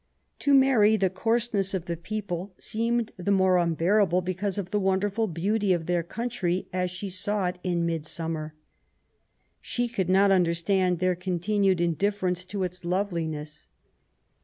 To Mary the coarseness of the people seemed the LITERARY WORK. 167 more unbearable because of the wonderful beauty of their country as she saw it in midsummer. She could not understand their continued indifference to its loveliness.